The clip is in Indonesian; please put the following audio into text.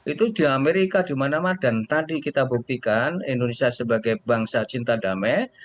itu di amerika di mana mana dan tadi kita buktikan indonesia sebagai bangsa cinta damai